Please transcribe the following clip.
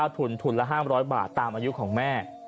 ทุนละ๕๐๐บาทตามอายุของแม่